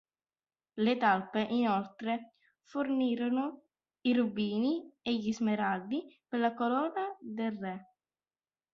Le talpe inoltre fornirono i rubini e gli smeraldi per la corona del Re.